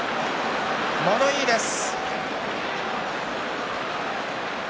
物言いです。